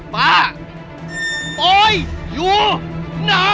ป้าปลอยอยู่น้า